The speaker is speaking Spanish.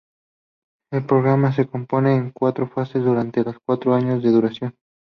El programa se compone de cuatro fases durante los cuatro años de su duración.